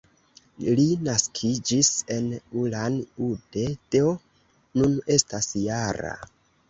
Li naskiĝis en Ulan-Ude, do nun estas -jara.